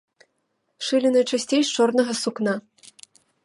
Шылі найчасцей з чорнага сукна.